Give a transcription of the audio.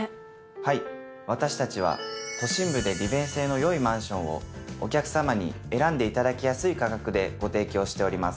はい私たちは都心部で利便性の良いマンションをお客様に選んでいただきやすい価格でご提供しております。